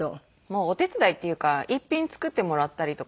もうお手伝いっていうか一品作ってもらったりとか。